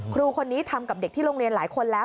ครูคนนี้ทำกับเด็กที่โรงเรียนหลายคนแล้ว